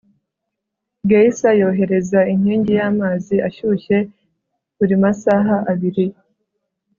geyser yohereza inkingi y'amazi ashyushye buri masaha abiri